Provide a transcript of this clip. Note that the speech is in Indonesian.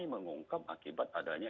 berani mengungkap akibat adanya